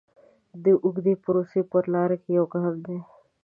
د اوږدې پروسې په لاره کې یو ګام دی.